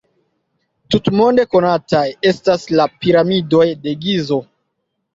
Tutmonde konataj estas la Piramidoj de Gizo.